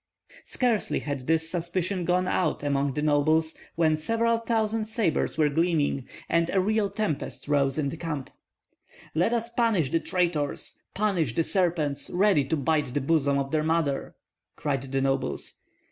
Scarcely had this suspicion gone out among the nobles when several thousand sabres were gleaming, and a real tempest rose in the camp. "Let us punish the traitors, punish the serpents, ready to bite the bosom of their mother!" cried the nobles.